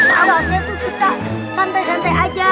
awalnya tuh suka santai santai aja